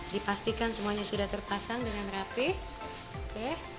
dipastikan semuanya sudah terpasang dengan rapih oke